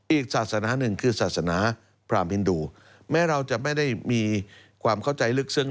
อีกศาสนาหนึ่งคือศาสนาพรามฮินดูแม้เราจะไม่ได้มีความเข้าใจลึกซึ้ง